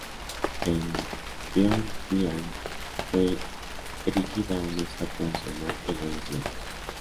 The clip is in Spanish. En Pyongyang fue erigida una estatua en su honor el año siguiente.